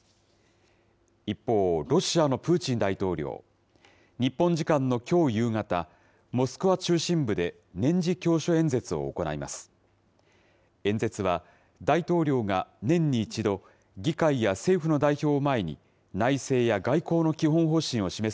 一方、ロシアのプーチン大統領。日本時間のきょう夕方、モスクワ中心部で年次教書演説を行います。